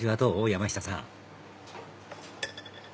山下さん